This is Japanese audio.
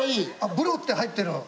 「ブロ」って入ってる！